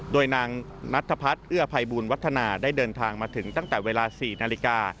โดยนางนัทพัฒน์เอื้อภัยบูลวัฒนาได้เดินทางมาถึงตั้งแต่เวลา๔นาฬิกา